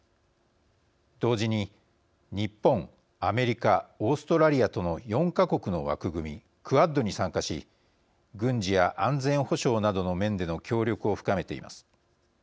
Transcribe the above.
同時に、日本、アメリカオーストラリアとの４か国の枠組みクアッドに参加し軍事や安全保障などの面での協力を深めています。